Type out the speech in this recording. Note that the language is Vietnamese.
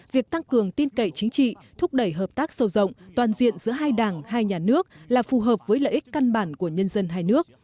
việc tăng cường tin cậy chính trị thúc đẩy hợp tác sâu rộng toàn diện giữa hai đảng hai nhà nước là phù hợp với lợi ích căn bản của nhân dân hai nước